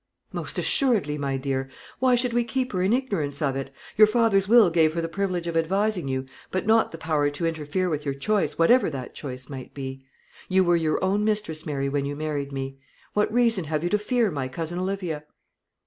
"Most assuredly, my dear. Why should we keep her in ignorance of it? Your father's will gave her the privilege of advising you, but not the power to interfere with your choice, whatever that choice might be. You were your own mistress, Mary, when you married me. What reason have you to fear my cousin Olivia?"